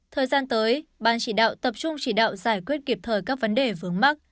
thời gian tới ban chỉ đạo tập trung chỉ đạo giải quyết kịp thời các vấn đề vướng mắt